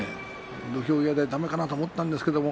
土俵際でだめかなと思ったんですけれど